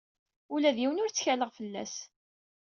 Ula d yiwen ur ttkaleɣ fell-as.